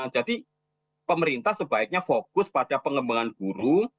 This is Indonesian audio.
jadi pemerintah sebaiknya fokus pada pengembangan guru